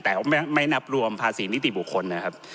แต่ไม่นับรวมภาษีนิติบุคคลนะครับ